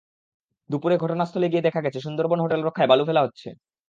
দুপুরে ঘটনাস্থলে গিয়ে দেখা গেছে, সুন্দরবন হোটেল রক্ষায় বালু ফেলা হচ্ছে।